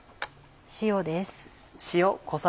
塩です。